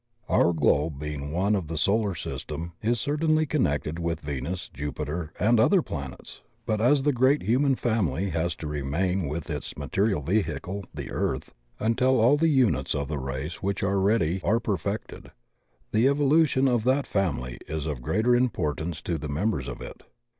Our globe being one of the solar sys tem is certainly connected with Venus, Jupiter, and other planets, but as the great human family has to remain with its material vehicle — the earth — ^untU all the units of the race which are ready are perfected, the evolution of that family is of greater importance to the members of it.